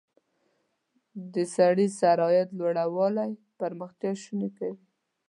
د سړي سر عاید لوړوالی پرمختیا شونې کوي.